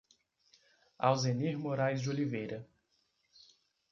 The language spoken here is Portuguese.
Auzenir Morais de Oliveira